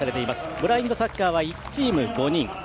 ブラインドサッカーは１チーム５人。